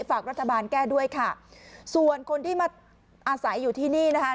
ฝากรัฐบาลแก้ด้วยค่ะส่วนคนที่มาอาศัยอยู่ที่นี่นะคะ